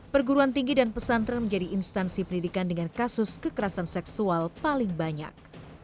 perguruan tinggi dan pesantren menjadi instansi pendidikan dengan kasus kekerasan seksual paling banyak